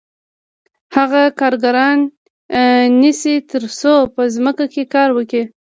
هغه کارګران نیسي تر څو په ځمکو کې کار وکړي